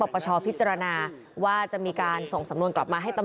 พตรพูดถึงเรื่องนี้ยังไงลองฟังกันหน่อยค่ะ